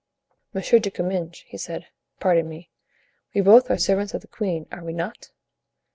"Monsieur de Comminges," he said, "pardon me; we both are servants of the queen, are we not?